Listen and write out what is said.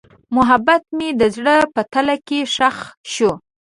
محبت مې د زړه په تله کې ښخ شو.